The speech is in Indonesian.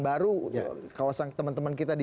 baru kawasan teman teman kita di